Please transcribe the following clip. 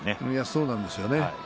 そうなんですよね。